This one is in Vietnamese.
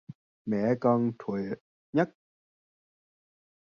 Mẹ con tuyệt nhất